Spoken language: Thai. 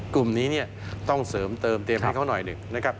กลุ่มนี้เนี่ยต้องเสริมเติมเตรียมให้เขาหน่อยหนึ่งนะครับ